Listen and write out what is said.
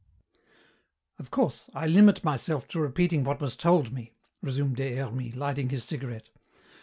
"Of course I limit myself to repeating what was told me," resumed Des Hermies, lighting his cigarette.